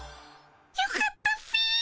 よかったっピ。